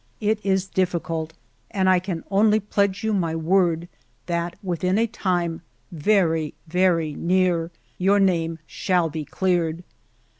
It is difficult, and I can only pledge you my word that within a time very, very near, your name shall be cleared.